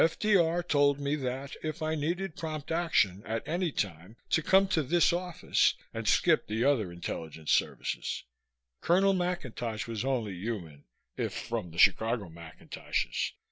F.D.R. told me that, if I needed prompt action at any time to come to this office and skip the other intelligence services." Colonel McIntosh was only human, if from the Chicago McIntoshes.